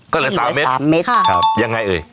ก็เหลือ๓เม็ดครับอย่างไรเลยค่ะ